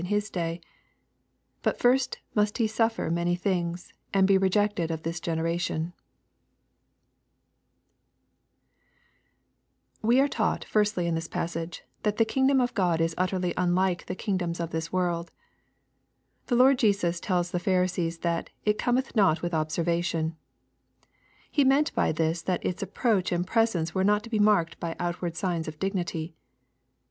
24 For as the lightning, that liffht eueth oat of the one part under hea We are taught, firstly, in this passage that the kingdom of God is utterly unlike the kingdoms of this world. The Lord Jesus tells the Pharisees that " it cometh not with observation." He meant by this that its approach and presence were not to be marked by outward signs of dignity.